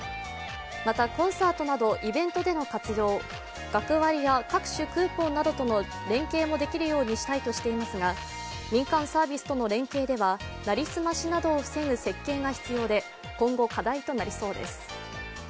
また、コンサートなどイベントでの活用、学割や各種クーポンなどとの連携もできるようにしたいとしていますが、民間サービスとの連携では成り済ましなどを防ぐ設計が必要で今後、課題となりそうです。